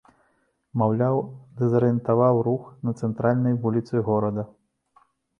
Маўляў, дэзарыентаваў рух на цэнтральнай вуліцы горада.